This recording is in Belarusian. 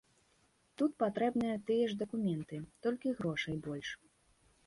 Тут патрэбныя тыя ж дакументы, толькі грошай больш.